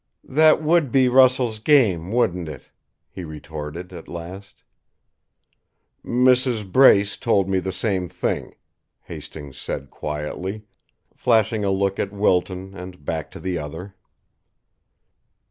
"That would be Russell's game, wouldn't it?" he retorted, at last. "Mrs. Brace told me the same thing," Hastings said quietly, flashing a look at Wilton and back to the other.